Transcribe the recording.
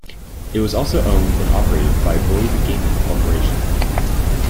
It was also owned and operated by Boyd Gaming Corporation.